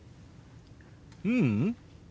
ううん。